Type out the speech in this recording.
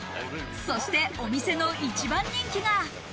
そしてお店の一番人気が。